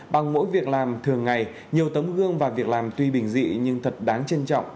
bằng mỗi việc làm thường ngày nhiều tấm gương và việc làm tuy bình dị nhưng thật đáng trân trọng